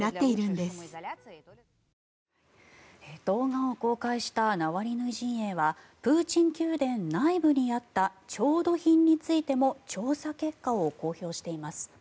動画を公開したナワリヌイ陣営はプーチン宮殿内部にあった調度品についても調査結果を公表しています。